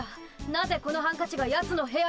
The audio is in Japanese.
なぜこのハンカチがやつの部屋に。